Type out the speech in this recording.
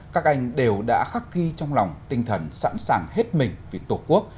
các anh đều đã khắc ghi trong lòng tinh thần sẵn sàng hết mình vì tổ quốc